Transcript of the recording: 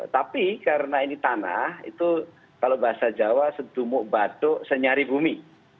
tapi karena ini tanah itu kalau bahasa jawa sedumuk batuk senyari bumi